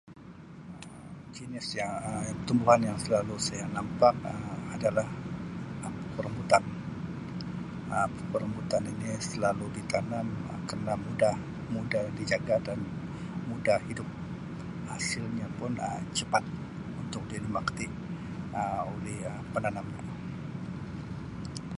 Um Jinis yang Um tumbuhan yang selalu saya nampak Um adalah pokok rambutan, Um pokok rambutan ini selalu di tanam Um kerna mudah mudah dijaga dan mudah hidup hasilnya pun Um cepat untuk dinikmati oleh Um penanamnya.